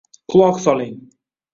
Quloq soling!